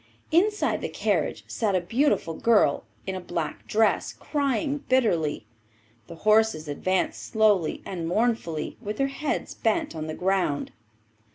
Inside the carriage sat a beautiful girl in a black dress crying bitterly. The horses advanced slowly and mournfully, with their heads bent on the ground.